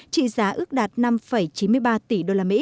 trị giá ước đạt năm chín mươi ba tỷ usd